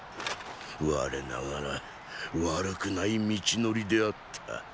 我ながら悪くない道のりであった。